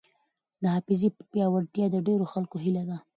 د حافظې پیاوړتیا د ډېرو خلکو هیله ده.